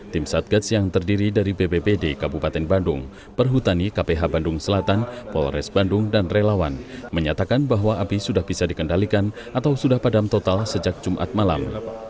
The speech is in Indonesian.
tim satgas yang terdiri dari bppd kabupaten bandung perhutani kph bandung selatan polres bandung dan relawan menyatakan bahwa api sudah bisa dikendalikan atau sudah padam total sejak jumat malam